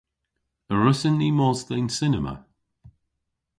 A wrussyn ni mos dhe'n cinema?